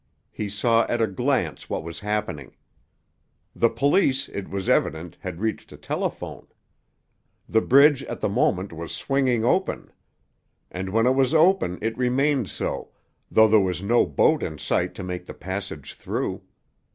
He saw at a glance what was happening. The police, it was evident, had reached a telephone. The bridge at the moment was swinging open. And when it was open it remained so, though there was no boat in sight to make the passage through.